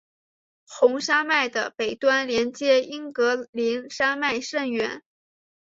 红山脉的北端连接英格林山脉甚远。